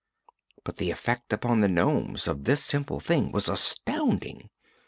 But the effect upon the nomes of this simple thing was astounding.